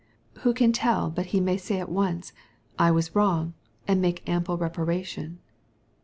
Who can tell but he may say at once, " I was wrong"—' and make ample reparation